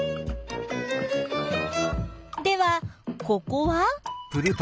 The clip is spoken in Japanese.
ではここは？